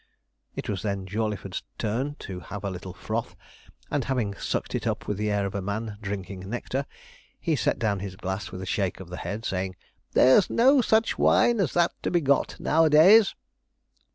It was then Jawleyford's turn to have a little froth; and having sucked it up with the air of a man drinking nectar, he set down his glass with a shake of the head, saying: 'There's no such wine as that to be got now a days.'